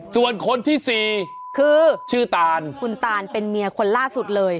ส่วนคนที่สี่คือชื่อตานคุณตานเป็นเมียคนล่าสุดเลย